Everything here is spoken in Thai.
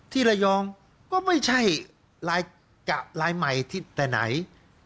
ที่ระยองก็ไม่ใช่รายใหม่ที่แต่ไหน